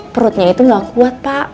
perutnya itu gak kuat pak